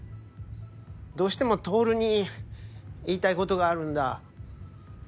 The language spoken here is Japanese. どうしても透に言いたいことがあるんだ。